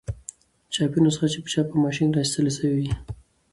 چاپي نسخه چي په چاپ او ما شين را ایستله سوې يي.